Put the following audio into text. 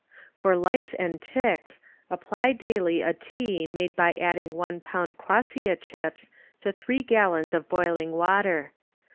For Lice and Ticks apply dail^ a tea made by adding one pound quassia chips to three gallons of hoilinj! water.